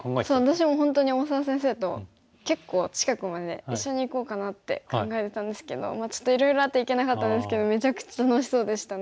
私も本当に大澤先生と結構近くまで一緒に行こうかなって考えてたんですけどちょっといろいろあって行けなかったんですけどめちゃくちゃ楽しそうでしたね。